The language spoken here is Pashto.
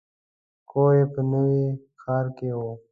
کور یې په نوي ښار کې و.